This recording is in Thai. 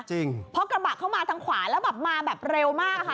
จริงเพราะกระบะเข้ามาทางขวาแล้วแบบมาแบบเร็วมากค่ะ